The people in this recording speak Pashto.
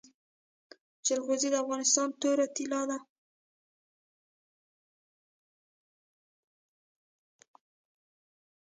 جلغوزي د افغانستان توره طلا ده